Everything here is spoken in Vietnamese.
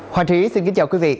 hoàng trí xin kính chào quý vị